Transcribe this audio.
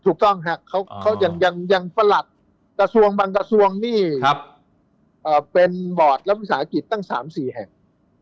ถูกต้องครับเขายังประหลัดกระทรวงบางกระทรวงนี่เป็นบอร์ดและวิสาหกิจตั้ง๓๔แห่ง